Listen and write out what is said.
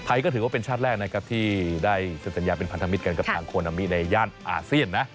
ก็ถือว่าเป็นชาติแรกนะครับที่ได้เซ็นสัญญาเป็นพันธมิตรกันกับทางโคนามิในย่านอาเซียนนะ